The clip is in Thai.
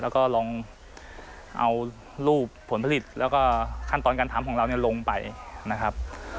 แล้วก็ลองเอารูปผลผลิตแล้วก็ขั้นตอนการทำของเราเนี่ยลงไปนะครับ